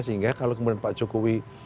sehingga kalau kemudian pak jokowi